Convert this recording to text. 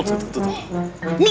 ini tidak baik